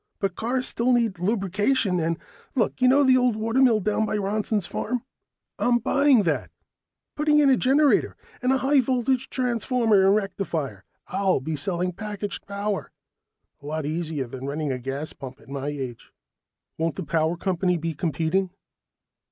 But cars still need lubrication and Look, you know the old watermill down by Ronson's farm? I'm buying that, putting in a generator and a high voltage transformer and rectifier. I'll be selling packaged power. A lot easier than running a gas pump, at my age." "Won't the power company be competing?"